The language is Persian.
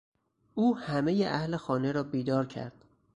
او همهی اهل خانه را بیدار کرد!